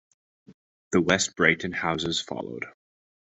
The West Brighton Houses followed.